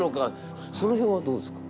その辺はどうですか？